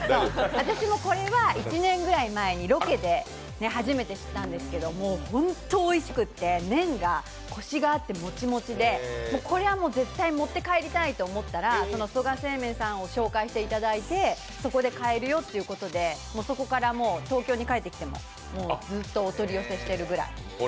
私もこれは１年ぐらい前でロケで初めて知ったんですけどもう本当おいしくて、麺がコシがあってもちもちで、これはもう絶対持って帰りたいと思ったら、曽我製麺さんを紹介していただいてそこで買えるよと聞いてそこから東京に帰ってきてもずっとお取り寄せしてるぐらい大好きなんです。